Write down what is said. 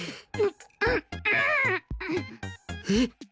えっ？